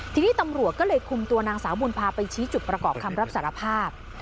ทีนี้ตำรวจก็เลยคุมตัวนางสาวบุญพาไปชี้จุดประกอบคำรับสารภาพ